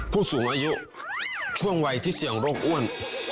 ผู้สูงอายุช่วงวัยที่เสี่ยงโรคอ้วน